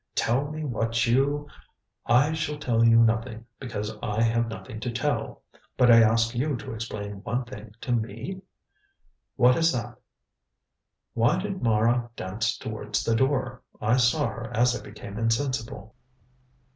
Tell me what you " "I shall tell you nothing, because I have nothing to tell. But I ask you to explain one thing to me?" "What is that?" "Why did Mara dance towards the door. I saw her as I became insensible."